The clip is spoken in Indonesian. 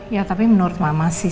ya tapi menurut mama sih